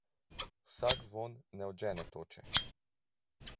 Vsak zvon ne odžene toče.